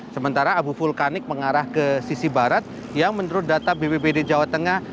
sementara abu vulkanik mengarah ke sisi barat yang menurut data bpbd jawa tengah